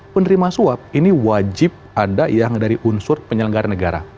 penerima suap ini wajib ada yang dari unsur penyelenggara negara